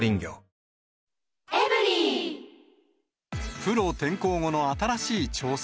プロ転向後の新しい挑戦。